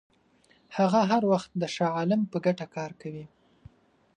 هغه هر وخت د شاه عالم په ګټه کار کوي.